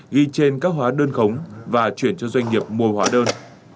ghi trên các hóa đơn khống và chuyển cho doanh nghiệp mua hóa đơn